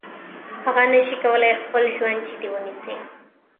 هغه نشي کولای خپل ژوند جدي ونیسي.